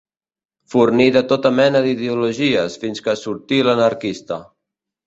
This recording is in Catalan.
Forní de tota mena d'ideologies fins que sortí l'anarquista.